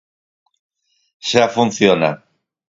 Xa funciona.